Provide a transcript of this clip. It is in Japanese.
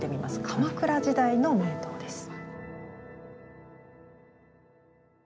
鎌倉時代の名刀です。